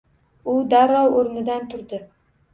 U darrov oʻrnidan turdi